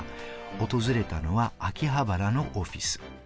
訪れたのは秋葉原のオフィス。